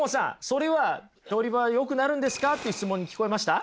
それは「調理場はよくなるんですか？」っていう質問に聞こえました？